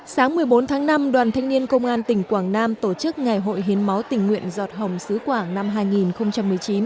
sáng một mươi bốn tháng năm đoàn thanh niên công an tỉnh quảng nam tổ chức ngày hội hiến máu tình nguyện giọt hồng xứ quảng năm hai nghìn một mươi chín